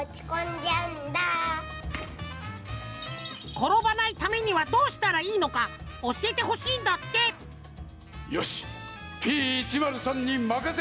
ころばないためにはどうしたらいいのかおしえてほしいんだってよしＰ１０３にまかせてくれ！